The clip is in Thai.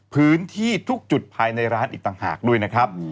พื้นที่ทุกจุดภายในร้านอีกต่างหากด้วยนะครับ